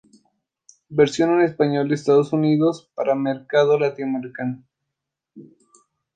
Versión en español de Estados Unidos para mercado latinoamericano